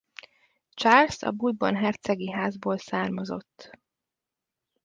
Charles a Bourbon hercegi házból származott.